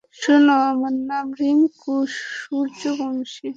শুনো, আমার নাম রিংকু সূর্যবংশী।